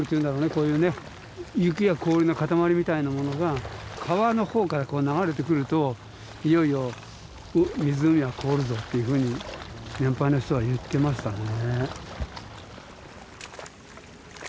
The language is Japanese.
こういうね雪や氷の塊みたいなものが川の方から流れてくるといよいよ湖が凍るぞっていうふうに年配の人は言ってましたね。